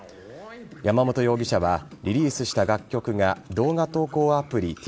山本容疑者はリリースした楽曲が動画投稿アプリ